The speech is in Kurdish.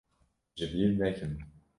Ji bîr nekin.